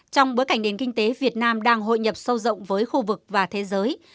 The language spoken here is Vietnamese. trong bối cảnh nền kinh tế việt nam đang hội nhập sâu rộng với khu vực và thế giới